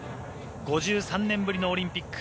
５３年ぶりのオリンピック。